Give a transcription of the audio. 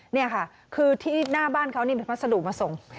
นี่ค่ะคือที่หน้าบ้านเขานี่มีพัสดุมาส่ง